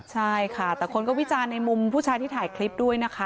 ใช่ค่ะแต่คนก็วิจารณ์ในมุมผู้ชายที่ถ่ายคลิปด้วยนะคะ